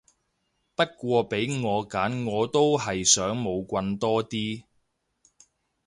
不過俾我揀我都係想冇棍多啲